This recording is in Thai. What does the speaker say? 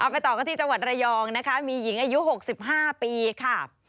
ไปต่อกันที่จังหวัดระยองนะคะมีหญิงอายุ๖๕ปีค่ะ